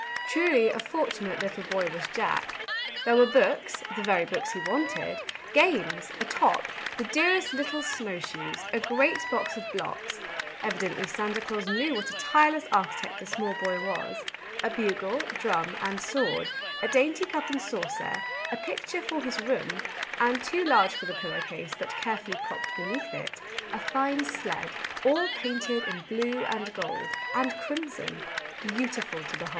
Truly a fortu nate little boy was Jack ! There were books — the very books he wanted, — games, a top, the dearest little snow shoes, a great box of blocks, — evidently Santa Claus knew what a tireless architect this small boy was, — a bugle, drum, and sword, a dainty cup and saucer, a picture for his room, and, too large for the pillow case, but carefully propped beneath it, a fine sled, all painted in blue and gold and crimson, beautiful to behold